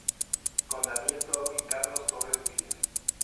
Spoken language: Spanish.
Con Daniel Toro y Carlos Torres Vila